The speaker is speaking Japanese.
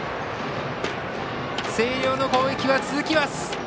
星稜の攻撃は続きます。